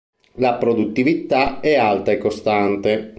La produttività è alta e costante.